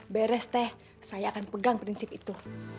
beres teh saya akan pegang prinsip itu